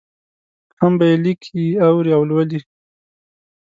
هم به یې لیکي، اوري او لولي.